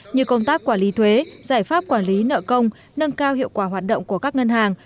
như công tác quản lý thuế giải pháp quản lý nợ công nâng cao hiệu quả hoạt động của các ngân hàng